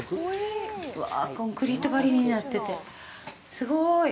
コンクリート張りになっててすごーい。